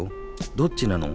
どっちなの？